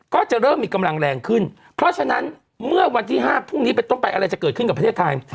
ก็จะเริ่มมีกำลังแรงขึ้นเพราะฉะนั้นเมื่อวันที่๕พรุ่งนี้เป็นต้นไปอะไรจะเกิดขึ้นกับประเทศไทย